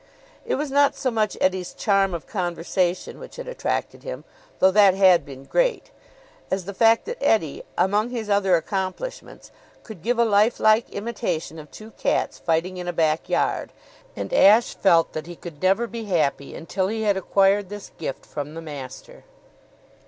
It was not so much Eddie's charm of conversation which had attracted him though that had been great as the fact that Eddie, among his other accomplishments, could give a lifelike imitation of two cats fighting in a back yard; and Ashe felt that he could never be happy until he had acquired this gift from the master.